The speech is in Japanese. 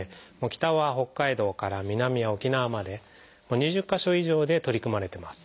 北は北海道から南は沖縄まで２０か所以上で取り組まれてます。